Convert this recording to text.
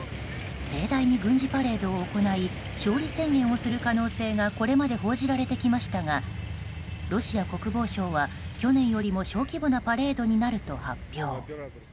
盛大に軍事パレードを行い勝利宣言をする可能性がこれまで報じられてきましたがロシア国防省は去年よりも小規模なパレードになると発表。